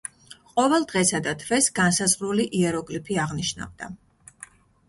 ყოველ დღესა და თვეს განსაზღვრული იეროგლიფი აღნიშნავდა.